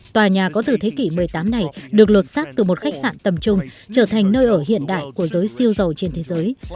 tòa nhà có từ thế kỷ một mươi tám này được lột xác từ một khách sạn tầm trung trở thành nơi ở hiện đại của giới siêu giàu trên thế giới